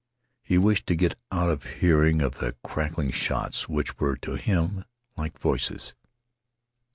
He wished to get out of hearing of the crackling shots which were to him like voices.